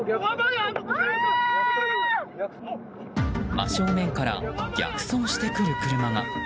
真正面から逆走してくる車が。